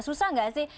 susah nggak sih